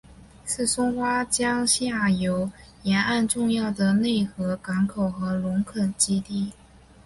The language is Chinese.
是松花江下游沿岸重要的内河港口和农垦基地。